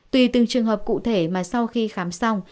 tùy từng trường hợp cụ thể mà sau khi khám xong